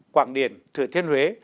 quảng điển thử thiên huế